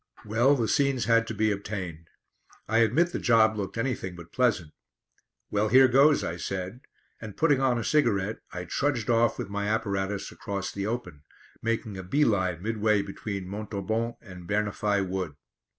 Well, the scenes had to be obtained. I admit the job looked anything but pleasant. "Well, here goes!" I said, and putting on a cigarette, I trudged off with my apparatus across the open, making a bee line midway between Montaubon and Bernafay Wood.